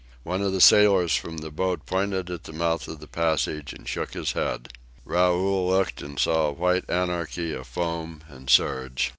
One of the sailors from the boat pointed at the mouth of the passage and shook his head. Raoul looked and saw a white anarchy of foam and surge.